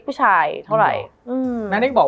มันทำให้ชีวิตผู้มันไปไม่รอด